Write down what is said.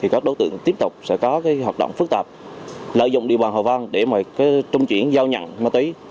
các đối tượng tiếp tục sẽ có hoạt động phức tạp lợi dụng địa bàn hòa vang để trung chuyển giao nhận ma túy